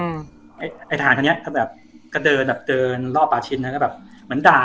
ไอ้ไอ้ทหารคนนี้ก็แบบก็เดินแบบเดินรอบปลาชินแล้วก็แบบเหมือนด่า